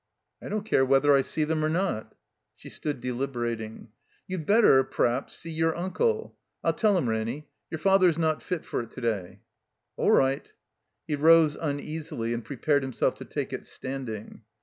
"I don't care whether I see them or not." She stood deliberating. "You'd better — ^p'raps — see your tmde. I'll tell him, Ranny. Your Father's not fit for it to day." "All right." He rose uneasily and prepared himself to take it standing.